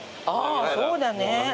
そうだね。